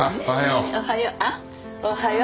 おはよう。